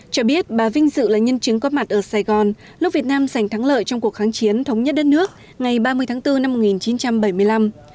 cho biết bà vinh dự là nhân chứng có mặt ở sài gòn lúc việt nam giành thắng lợi trong cuộc kháng chiến thống nhất đất nước ngày ba mươi tháng bốn năm một nghìn chín trăm bảy mươi năm